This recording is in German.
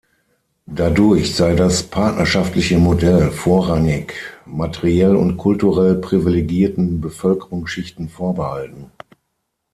Dadurch sei das partnerschaftliche Modell vorrangig materiell und kulturell privilegierten Bevölkerungsschichten vorbehalten.